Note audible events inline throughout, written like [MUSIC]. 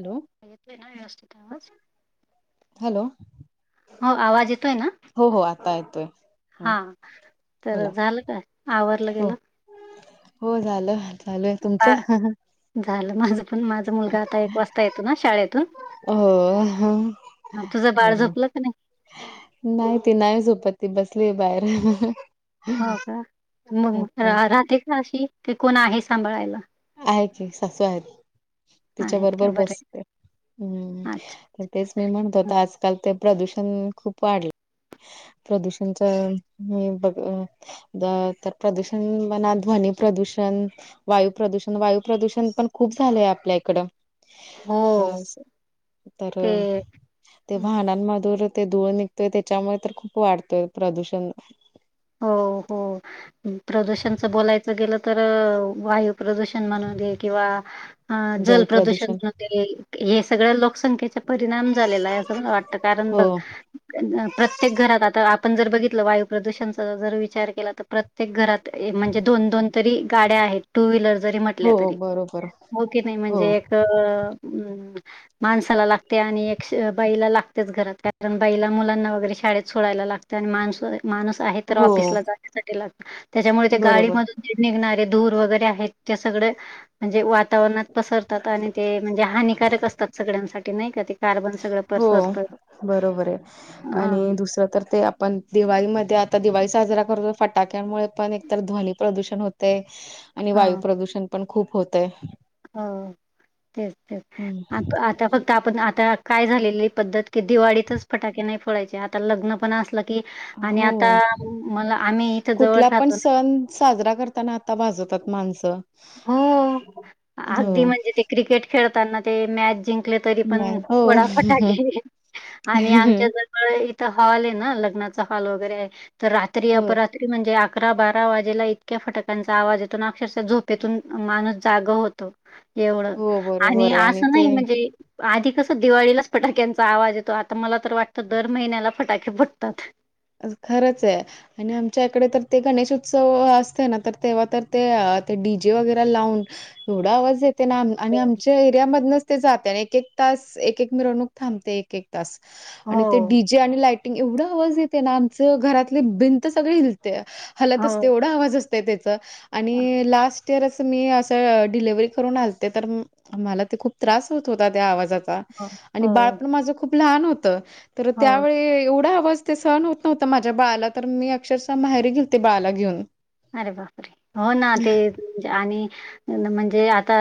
Hello. येतोय ना व्यवस्थित आवाज. हॅलो हो आवाज येतोय ना. हेतो. हा तर झालं काय आवरलं हो गेलं हो झालं चालू आहे बा- तुमचं झालं माझ पण माझा मुलगा आता एक वाजता येतो ना शाळेतून हो तुझं बाळ झोपलं क नाही. नाही त नाही झोपत ती बसलीय बाहेर. हो का, मग ओके. राहते का अशी ते कोण आहे सांभाळायला. आहे कि सासू आहेत तिच्या आहेत का बरोबर बरे बसते. हम्. अच्छा तर तेच मी म्हणतो होत, आजकाल ते प्रदूषण खूप वाढलं. प्रदूषणच म बघ अं. अ तर प्रदूषण म्हणा ध्, वनी प्रदूषण वायू प्रदूषण वायू प्रदूषण पण खूप झालंय आपल्या इकडं. हो ह असं तर ते ते वाहनांमधुर ते धूळ निघतोय त्याच्यामुळे तर खूप वाढतोय प्रदूषण. हो हो. प्रदूषणच बोलायचं गेलं तर वायू प्रदूषण म्हनुदे किंवा अं जल प्रदूषण ते हे सगळं लोकसंख्येचा परिणाम झालेला आहे, असं मला वाटत. कारण हो बघ प्रत्येक घरात आता आपण जर बघितलं वायू प्रदूषण जर विचार केला तर, प्रत्येक घरात म्हणजे दोन दोन तरी गाड्या आहेत. टू व्हीलर जरी म्हटल्या हो तरी, बरोबर हो की नाही हो म्हणजे एक अं माणसाला लागते आणि एक बाईला लागतेच घरात, कारण बाईला मुलांना वगैरे शाळेत सोडायला लागते. माणस माणूस आहे तर हो ऑफिसला जाण्यासाठी लागत. त्याच्यामुळे ते गाडी बरोबर मधून जे निघणारे धूर वगैरे आहेत ते सगळं म्हणजे वातावरणात पसरतात आणि ते म्हणजे हानिकारक असतात सगळ्यांसाठी नाही का ते. कार्बन सगळं हो पसरतं. बरोबर आहे आणि हां, दुसरं तर ते आपण दिवाळीमध्ये आता दिवाळी साजरा करतो फटाक्यांमुळे पण एकतर ध्वनी प्रदूषण होतय. आणि हां. वायू प्रदूषण पण खूप होतय. हो तेच तेच. हम्म. आ आता फक्त आपण आता काय झालेली पद्धत कि दिवाळीतच फटाके नाही फोडायचे, आता लग्न पण असलं कि आणि आता हो मला आम्ही इथ कुठला जवळच पण राहतो. सण साजरा करताना आता भाजवतात माणसं. हो. हो अगदी म्हणजे ते क्रिकेट खेळताना ते मॅच जिंक तरी नाही पण, हो थोडाफटा केे आणि आमच्या जर इथं हॉल आहे ना लग्नाचा हॉल वगैरे, तर रात्री हो अपरात म्हणजे अकरा बारा वाजेला इतक्या फटकांचा आवाज येतो ना, अक्षरश झोप तेथून माणूस जाग होतो एवढं हो बरोबर आणि आहे असं नाही ते म्हणजे आधी कसं दिवाळीलाच फटाक्यांचा आवाज येतो आता मला तर वाटतं दर महिन्याला फटाके पडतात खरंच आहे आणि आमच्या इकडे तर ते गणेश उत्सव असते ना तर तेव्हा तर ते ते डी जे वगैरे लावून. एवढा आवाज येत ना आणि आमच्या एरियामधूनच ते जाते आणि एक एक तास एक एक मिरवणूक थांबते एक एक आणि ते हो. डीजे आणि लाटिंग एवढा आवाजेत. ना आमच घरातले भिंत सगळे हिलते हलत हो, असते एवढा आवाज असते. त्याच हो, आणि लास्ट अस मी अस डिलेव्ही करून आलते तर मला ते खूप त्रास होत होता त्या आवाजाचा हो, आणि बाळ हो, पण माझ खूप लहान होत तर हो. त्यावेळी एवढा आवाज सण होत नव्हंत माझ्या बाळाला तर मी अक्षरशः माहेरी घे होते बाळाला घेऊन. अरे बाप रे हो ना ते आणि म्हणजे आता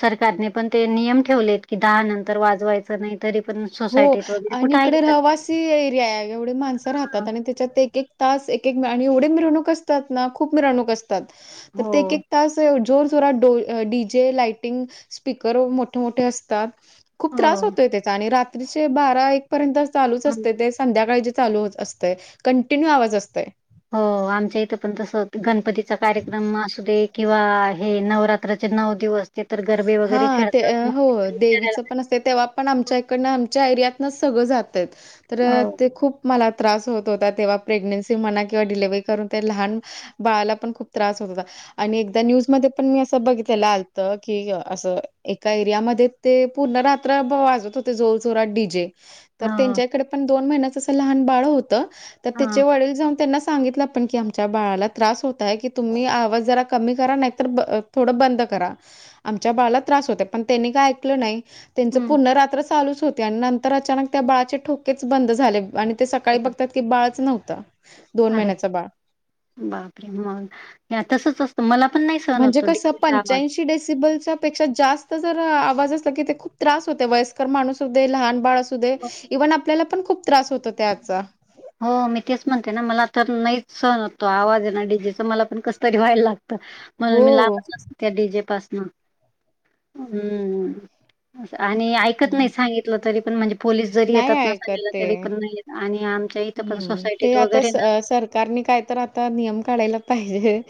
सरकारने पण ते नियम ठेवलेत की दहा नंतर वाजवायचं नाही. तरी पण हो सोसायटीत वगैरे आणि कुठे इकडे आहेेतात. रहिवासी एरिया एवढे माणसं राहतात आणि त्याच्यात एक एक तास एक आणि एवढे मिरवणूक अस. त्यात ना खुप मिरवणक असत्यात. तर ते एक हो, एक तास तोरा डो डी जे, लाइटिंग स्पीकर मोठे मोठे असतात. खूप हो, त्रास होतोय त्याचा आणि रात्रीचे बारा एक पर्यंत चालूच हं, असत ते संध्याकाळी जे चालू होत असतय, कंटिन्यू आवाज असतय. हो. आमच्या इथ पण तसं गणपतीचा कार्यक्रम असू दे किंवा हे नवरात्राचे नऊ दिवस. ते तर गरबे वगैरे हा ते खेळतात. मग हो ते विचारायला देवीचं पण अस तेव्हा पण आमच्या इकडन आमच्या एरियात सगळं जातय तर हो, ते खूप मला त्रास होत होता तेव्हा प्रेग्नेन्सी म्हणा किंवा डिलेव्हरी करून ते लहान बाळाला पण खूप त्रास होत हो आणि एकदा न्यूज मध्ये पण मी असं बघितलेला आलत. कि असं एका एरियामध्ये ते पूर्ण रात्र वाजत होते जोर जोरात डी जे तर हां, त्यांच्याकडे पण दोन महिन्याच असं लहान बाळ होत. हां, त्याचे वड जाऊन त्यां सित त्या बाळाला त्रास होत आहे की तुम्ही आवाज जरा कमी करा नाही थोड बंद करा. आमच्या बाळाला त्रास होत पण त्यांनी काय ऐकलं नाही त्यांच हं, पुन्हा रात्र चालूच होते आणि नंतर अचानक त्या बाळाचे ठोकेच बंद झाले आणि ते अरे सकाळी बाप बघतात ते बाळच नव्हतं. दोन अरे महिन्याचा बाळ. बापरे मग या तसच असतं. मला पण नाही सहन होतो डीजेचा आवाज. तिब्बलच्यापेक्षा जास्त जर आवाज असला की ते खूप त्रास होते वयस्कर माणूस असूदे लहान बाळ अस सुदे. इव्हन आपल्याला पण खूप त्रास होतो त्याचा. हो. मी तेच म्हणतेना. मला आता नाही सहण होतं. तो आवाज हेना डीजेचा मला पण कस तरी व्हायला लाग - - म्हणुन हो. मी लांबच [UNINTELLIGIBLE] त्या डीजे पासन. हम्म आणि ऐकत नाही सांगित - - तरी पण म्हणजे पोलीस जरी नाही येतात ना सांगयला तरी पण नाही येत आणि आ - - हम्म. ते आता स -सर - - सरकारणी काय तर आता नियम काढायला पाहिजे.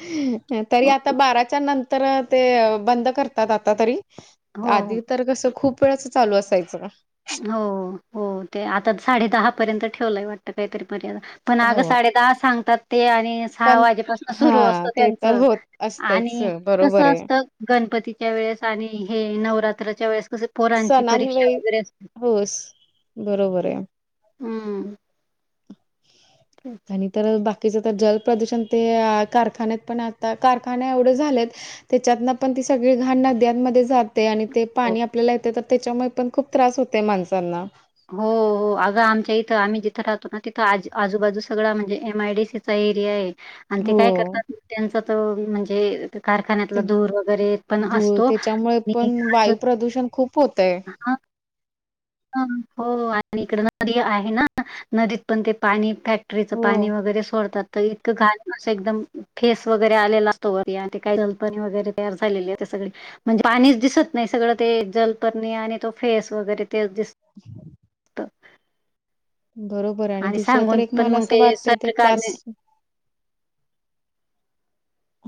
तरी हो. आता बाराच्या नंत तर ते बंद करतात आ तरी. हो, आधी तर कस खूप ते असं चालू असायचं. हो, हो, ते आता साडेदहा पर्यंत ठेवलंय वाटत काहीतरी मर्यादा. पण आग हो. साडे दहा सांगतात ते आणि सहा पण वाजेपासन सुरू असत हा ते तर त्यांचं, होत असतच आणि कस बरोबर आहे. असत? गणपतीच्या वेळेस आणि हे नवरात्रच्या वेळेस कस पोरांची परीक्षा सणांवेळी वगैरे अस होस. बरोबरये. हम्म. ठीक. आणि तर बाकीचं तर जलप्रदूषण ते कारखान्यात पण आता कारखाने एवढे झालेत. त्याच्यातन पण ती सगळी घाण नद्यांमध्ये जात - - ते आणि ते हो पाणी आपल्याला येते तर, त्याच्यामुळे पण खूप त्रास होतयं माणसांना. हो. हो. अगं आमच्या इथं आम्ही जिथं राहतो ना तिथं आज -आजूबाजूचा सगळा म्हणजे एम आय डी सीचा एरियाये. आणि ते काय हो करतात. त्यांच तो म्हणजे कारखान्यातला ते धूर वगैरे पण धूळ असतो त्याच्यामुळे आणि पण अजून वायू प्रदूषण खूप होतय. हा. हा. हो आणि इकड नदी आहे ना. नदीत पण ते पाणी - - फॅक्टरीचं हो पाणी वगैरे सोडतात. तर इतकं घाल असं एकदम फेस वगैरे आलेला असतोवरी आणि ते काय जलपर्णी वगैरे तयार झालेले आहे ते सगळी. म्हणजे पाणीच दिसत नाही. सगळं ते जलपर्णी आणि तो फेस वगैरे तेच दिसत. [UNINTELLIGIBLE] बरोबर हाय आणि दुसरं तर सांगून एक पण मला मग असं ते वाटतंय ते प्लास सरकारने - -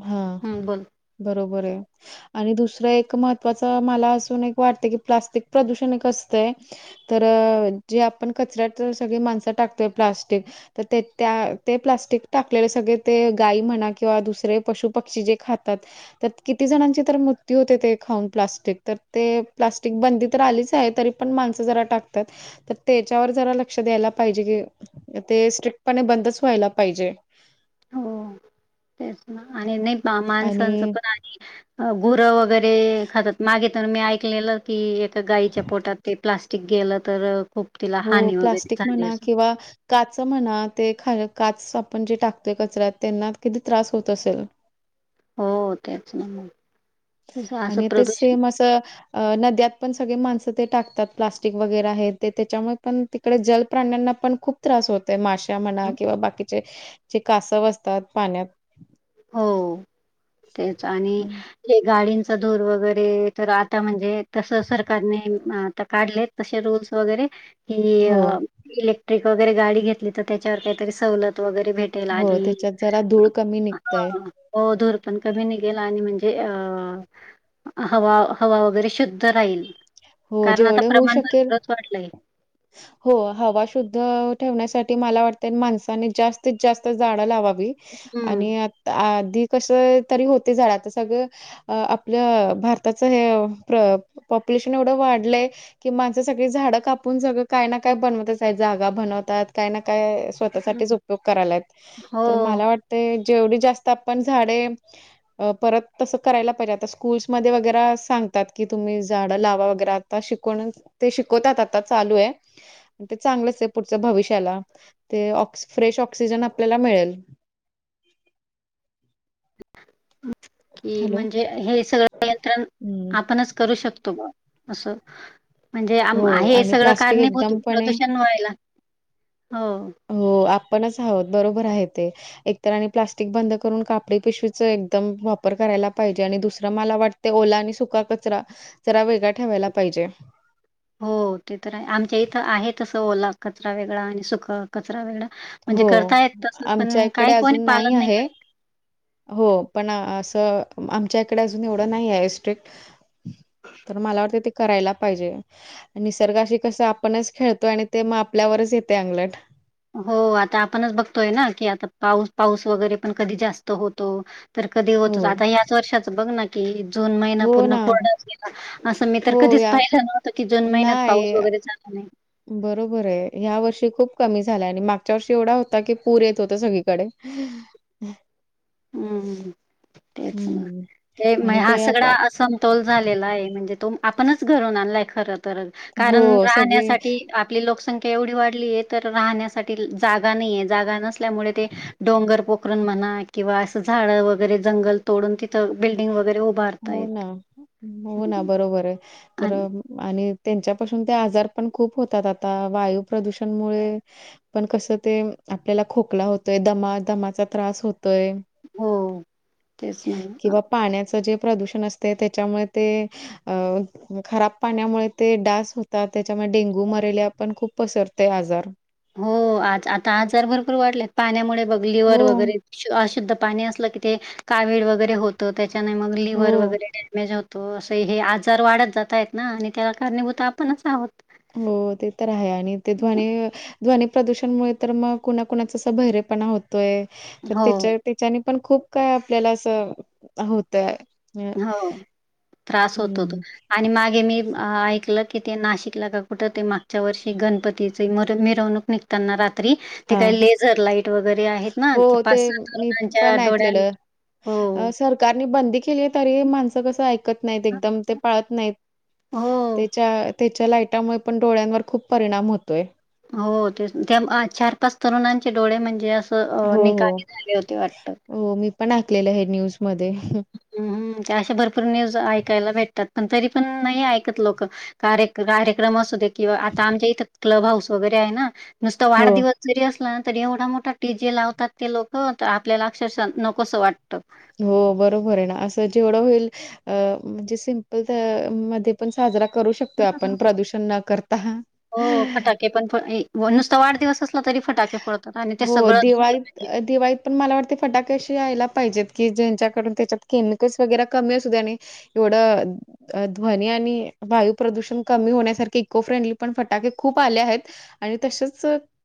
हा. हं, बोल. बरोबर हाये. आणि दुसरं एक महत्त्वाच मला असून एक वाटतयं की, प्लास्टिक प्रदूषण एक असतंय. तर जे आपण कचऱ्यात सगळी माणसं टाकतोय प्लास्टिक. तर ते त्या ते प्लास्टिक टाकलेले सगळे ते गाई म्हणा किंवा दुसरे - - पशु पक्षी जी खातात. तर किती जणांची तर मृत्यू होतेतयं खाऊन प्लास्टिक. तर ते प्लास्टिक बंदी तर आलीच आहे. तरी प - - पण माणस जरा टाकतात. तर त्याच्यावर जरा लक्ष द्यायला पाहिजे की. ते स्ट्रिक्टपणे बंदच व्हायला पाहिजे. हो. तेच ना आणि नाही आणि माणसांचं पण गुरं वगैरे खातात. मागे तर मी ऐकलेलं की गाईच्या पोटात ते प्लास्टिक गेलं तर खूप तिला हो. हानी वगैरे प्लास्टिक झाली म्हणा असं. किंवा- - काच म्हणा ते खा काच आपण जे टाकतोय कचऱ्यात त्यांना किती त्रास होत असेल. हो तेच ना. तसं असं आणि तेच प्रदूषण सेम असं अ नद्यात पण सगळे माणसं ते टाकतात प्लास्टिक वगैरे हे ते त्याच्यामुळे पण - - तिकडे जल प्राण्यांना पण खूप त्रास होतोय. मासे म्हणा हं, किंवा बाकीचे जे कासव असतात पाण्यात. हो तेच आणि हं. ते गाडींचा धूर वगैरे तर आता म्हणजे तसं सरकारने आता काढलेत तशे रूल्स वगैरे की हो, इलेक्ट्रिक वगैरे गाडी घेतली तर त्याच्यावर काहीतरी सवलत वगैरे भेटेल आणि तंय हां. हो धूर पण कमी निघेल आणि म्हणजे अ हवा हवा वगैरे शुद्ध राहील हो, कारण आता जेवढे होऊ प्रमाण शकेल भरपूरचं वाढलंय. [INAUDIBLE] हो हवा शुद्ध ठेवण्यासाठी मला वाटतय माणसाने जास्तीत जास्त झाडं लावावी हं. आणि आता आधी कसं तरी होते झाडं आता सगळं अं आपल्या भारताचं हे प्र पॉपुलेशन एवढं वाढलय की माणसं सगळी झाडं कापून सगळं काय ना हो. काय बनवतचं आहेत जागा बनवतात काय ना काय हं. स्वतःसाठीच उपयोग करायल्यात तर हो. मला वाट ते जेवढी जास्त आपण झाडे परत तसं करायला पाहिजे आता स्कूल्समध्ये वगैरा सांगतात की तुम्ही झाड लावा वगैरा आता शिकवून ते शिकवतात आता चालू आहे ते चांगलंच आहे पुढच्या भविष्याला ते ऑ फ्रेश ऑक्सिजन आपल्याला मिळेल कि हॅलो म्हणजे हे सगळं नियंत्रण हम्म आपणच करू शकतो. असं म्हणजे आम हो हे आणि सगळं प्लास्टिक कारणीभूत एकदमपणे प्रदूषण व्हायला हो हो आपणच आहोत बरोबर आहे ते एकतर आणि प्लास्टिक बंद करून कापडी पिशवीचं एकदम वापर करायला पाहिजे आणि दुसरं मला वाटतं ते ओला आणि सुका कचरा जरा वेगळा ठेवायला पाहिजे हो ते तर आहे आमच्या इथं आहे तसं ओला कचरा वेगळा आणि सुखं कचरा वेगळा म्हणजे हो करता येत तसं आमच्या पण इकडे काही कोणी अजून पालन नाही आहे करत हो पण असं आमच्या इकडे अजून एवढं नाही आहे स्ट्रिक्ट तर मला वाटते ते करायला पाहिजे निसर्गाशी कसं आपणच खेळतोय आणि ते मग आपल्यावरच येते अंगलट हो आता आपणच बघतोय ना की आता पाऊस पाऊस वगैरे पण कधी जास्त होतो तर कधी हो, होतच आता याच वर्षाच बघ ना की जून महिना हो पूर्ण ना. कोरडाचं गेला असं मी तर हो, कधीच या पाहिलं नव्हतं की जून महिन्यात नाही, पाऊस वगैरे चालला नाही बरोबर आहे ह्या वर्षी खूप कमी झालाय आणि मागच्या वर्षी एवढा होता की पूर येत होता सगळीकडे [UNINTELLIGIBLE] [INAUDIBLE] हम्म तेच ना हं. ते आणि हा आप सगळा असमतोल झालेला आहे म्हणजे तो आपणच घडवून आणलाय खरं तर कारण हो, सगळे राहण्यासाठी आपली लोकसंख्या एवढी वाढली आहे तर राहण्यासाठी जागा नाहीये जागा नस मुळे ते डोंगर पोखरून म्हणा किंवा असं झाडं वगैरे जंगल तोडून तिथं बिल्डिंग वगैरे उभार हो ना हो ना बरोबर आहे तर आणि आणि त्यांच्यापासून ते आजार पण खूप होतात आता वायू प्रदूषण मुळे पण कसं ते आपल्याला खोकला होतंय दमा दमाचा त्रास होतोय हो तेच किंवा ना पाण्याचं जे प्रदूषण असते त्याच्यामुळे ते खराब पाण्यामुळे ते डास होतात त्याच्यामुळे डेंग्यू मरेलिया पण खूप पसरतय आजार हो आज आता आजार भरपूर वाटले पाण्यामुळे बघ हो, लिवर वगैरे अशुद्ध पाणी असलं की ते कावीळं वगैरे होतं त्याच्याने मग लिव्हर हो. वगैरे डॅमेज होत तो असं हे आजार वाढत जात आहेत ना आणि त्याला कारणीभूत आपणच आहोत हो ते तर आहे आणि ते ध्वनी ध्वनी प्रदूषण मुमुळे तर मग कुणा कुणाचा असा बहिरेपणा होत तोय तर हो, त्याच्या त्याच्यानी पण खूप काय आपल्याला असं होतय. हो त्रास होतो तो. आणि मागे मी अ ऐकलं की ते नाशिकला का कुठं ते मागच्या वर्षी गणपतीची म मिरवणूक निघतांना रात त्री ते हां. काही लेझर लाईट वगैरे आहेत ना हो, ते पाच सात मी वरणांच्या पण डोळ्यान ऐकलेलं. सरकारने बंदी केली आहे तरी माणसं कसं अं ऐकत नाही एकदम ते पाळत नाहीत हो. त्याचा ते च्या लाईटामुळे पण डोळ्यांवर खूप परिणाम होतोय. हो ते त्या चार पाच तरुणांचे डोळे म्हणजे अस त अ हो, हो. निकामी झाले होते वाटत. हो मी पण ऐकलेलं हे न्यूज मध्ये. हम्म ते अशा भरपूर न्यूज ऐकायला भेटतात पण तरी पण नाही एंकत लोक कारे-कार्यक्रम असू दे किंवा आता आमच्या इथे क्लब हाऊस वगैरे आहे ना नुसत हो, वाढदिव तरी असलं ना तरी एवढा मोठा डी जे लावतात ते लोक तर आपल्याला अक्षरशः नकोसं वाटतं. हो बरोबर आहे ना असं जेवढं होईल अ म्हणजे सिंपल ते मध्ये पण साजरा करू शकतोय हां, हां. आपण प्रदूषण न करता. हो, फटाके पण फ हे नुसता वाढदिवस असला तरी फटाके फोळतात आणि ते हो सगळं दिवाळीत ढुर [UNINTELLIGIBLE] अ, दिवाळीत पण मला वाटते फटाके अशी यायला पाहिजेत की ज्यांच्याकडून त्याच्यात केमिकल्स वगैरे कमी असू दे आणि एवढं अ ध्वनी आणि वायू प्रदूषण कमी होण्यासारखे इको फ्रेंडली पण फटाके खूप आले आहेत आणि तशेच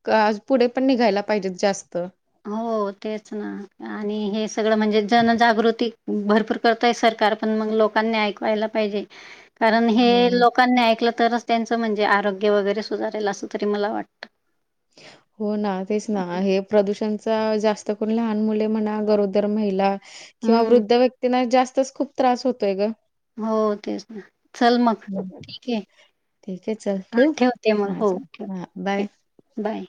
आ पुढे पण निघायला पाहिजेत जास्त. हो तेच ना आणि हे सगळं म्हणजे जन जागृती भरपूर करताय सरकार पण मग लोकांनी ऐकवायला पाहिजे कारण हे लोक हो. लोकांनी ऐकलं तरच त्यांचं म्हणजे आरोग्य वगैरे सुधारेल असं तरी मला वाटतं. हो ना तेच ना हे प्रदूषणचा जास्त करून लहान मुले म्हणा गरोदर महिला किंवा हम्म. वृद्ध व्यक्तींना जास्तच खूप त्रास होतोय ग. हो तेच ना चल मग हं. ठीक आहे. ठीक आहे, चल हा ठेवू? ठेवते मग हां, हो चल. ठेव हां, बाय. ते बाय.